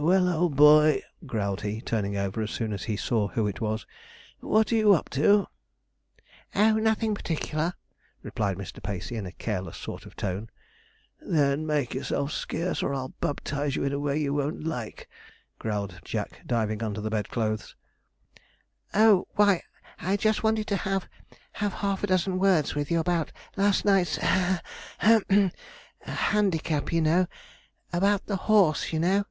'Well, old boy' growled he, turning over as soon as he saw who it was, 'what are you up to?' 'Oh, nothing particular,' replied Mr. Pacey, in a careless sort of tone. 'Then make yourself scarce, or I'll baptize you in a way you won't like,' growled Jack, diving under the bedclothes. 'Oh, why I just wanted to have have half a dozen words with you about our last night's' (ha hem haw!) 'handicap, you know about the horse, you know.'